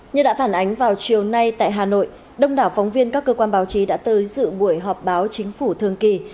như đã phản ánh vào chiều nay tại hà nội đông đảo phóng viên các cơ quan báo chí đã tới dự buổi họp báo chính phủ thường kỳ